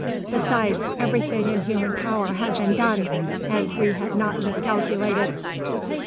Besides, everything in human power had been done; and we had not miscalculated."